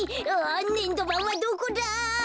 ねんどばんはどこだ！